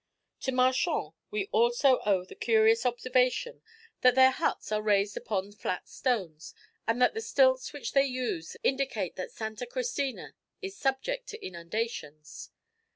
To Marchand we owe also the curious observation that their huts are raised upon flat stones, and that the stilts which they use indicate that Santa Cristina is subject to inundations.